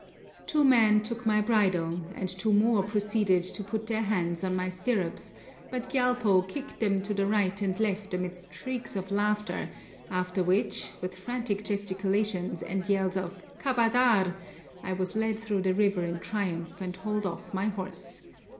Two men took my bridle, and two more proceeded to put their hands on my stirrups; but Gyalpo kicked them to the right and left amidst shrieks of laughter, after which, with frantic gesticulations and yells of 'Kabardar!' I was led through the river in triumph and hauled off my horse.